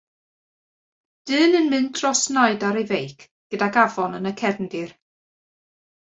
Dyn yn mynd dros naid ar ei feic, gydag afon yn y cefndir.